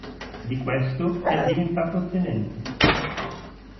Di questo è diventato tenente.